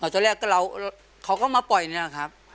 ตอนแรกเขาก็มาปล่อยนี่แหละครับ